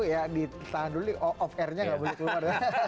ya ditahan dulu off airnya nggak boleh keluar